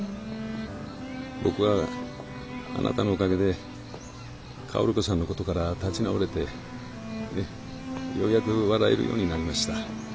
僕はあなたのおかげで薫子さんのことから立ち直れてようやく笑えるようになりました。